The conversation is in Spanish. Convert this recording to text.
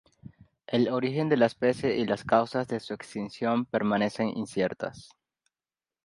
El origen de la especie y las causas de su extinción permanecen inciertas.